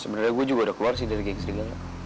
sebenernya gue juga udah keluar sih dari geng serigala